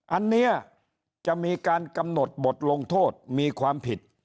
อันนี้จะมีการกำหนดบทลงโทษมีความผิด